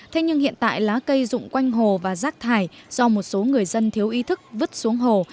thế nhưng hiện tại lá cây rụng quanh hồ và rác thải do một số người dân thiếu ý thức vứt xuống hồ